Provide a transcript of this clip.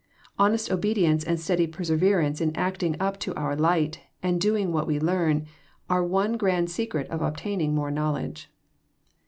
Honest obedience and steady perse verance in acting up to our light, and doing what we learn, are one grand secret of obtaining more knowledge.